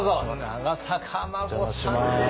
長坂真護さんです。